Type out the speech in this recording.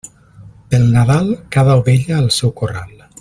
Pel Nadal, cada ovella al seu corral.